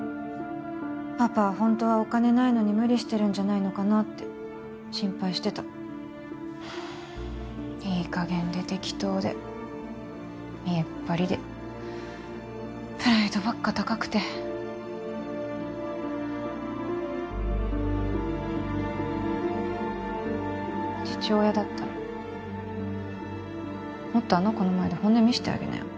パパはホントはお金ないのに無理してるんじゃないのかなって心配してたいい加減で適当で見えっ張りでプライドばっか高くて父親だったらもっとあの子の前で本音見せてあげなよ